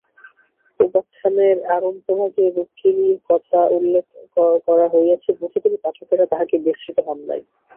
উপাখ্যানের আরম্ভভাগে রুক্মিণীর উল্লেখ করা হইয়াছে, বােধ করি পাঠকেরা তাহাকে বিস্মৃত হন নাই।